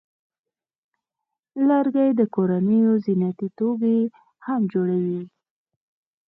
لرګی د کورونو زینتي توکي هم جوړوي.